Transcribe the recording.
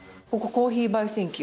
コーヒー焙煎機？